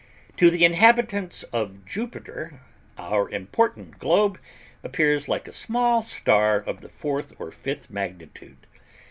To the inhabitants of Jupiter, our important globe appears like a small star of the fourth or fifth magnitude.